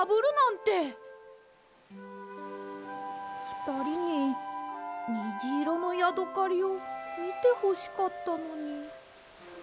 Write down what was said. ふたりににじいろのヤドカリをみてほしかったのに。